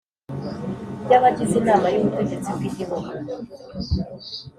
by abagize Inama y Ubutegetsi bw’ igihugu